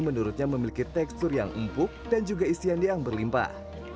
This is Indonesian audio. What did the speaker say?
menurutnya memiliki tekstur yang empuk dan juga isian yang berlimpah